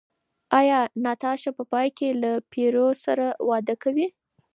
ایا ناتاشا په پای کې له پییر سره واده کوي؟